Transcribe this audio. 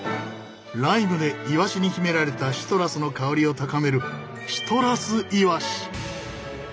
ライムでイワシに秘められたシトラスの香りを高めるシトラスイワシ！